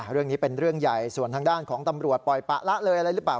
เรื่องนี้เป็นเรื่องใหญ่ส่วนทางด้านของตำรวจปล่อยปะละเลยอะไรหรือเปล่า